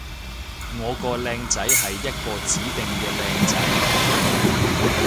我個靚仔係一個指定嘅靚仔